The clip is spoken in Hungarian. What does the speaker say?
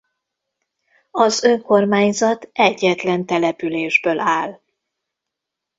Az önkormányzat egyetlen településből áll.